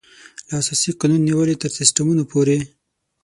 له اساسي قانون نېولې تر سیسټمونو پورې.